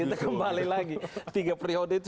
kita kembali lagi tiga periode itu